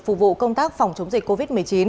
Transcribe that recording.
phục vụ công tác phòng chống dịch covid một mươi chín